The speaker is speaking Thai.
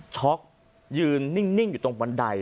ยืนนิ่งอยู่ตรงบันได